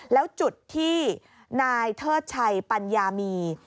แล้วจุดที่นายเทิดชัยปัญญามี